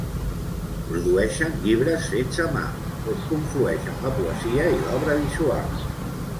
Produeixen llibres fets a mà on conflueixen la poesia i l'obra visual.